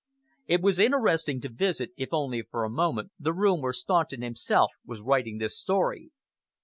It was interesting to visit, if only for a moment, the room where Staunton himself was writing this story.